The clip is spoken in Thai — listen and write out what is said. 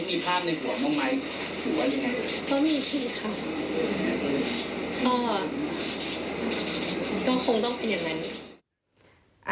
พี่คลังไม่เชื่อกว่า